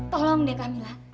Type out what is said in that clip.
tolong deh kamila